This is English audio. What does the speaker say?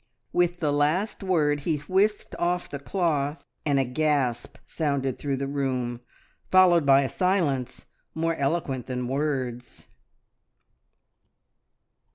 With the last word he whisked off the cloth, and a gasp sounded through the room, followed by a silence more eloquent than words.